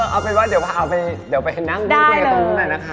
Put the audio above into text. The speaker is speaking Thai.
เอาเป็นว่าเดี๋ยวพาไปนั่งดูกันตรงนั้นหน่อยนะคะ